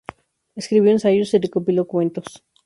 Escribió ensayos y recopiló cuentos.